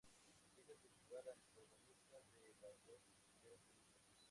Es el principal antagonista de las dos primeras películas.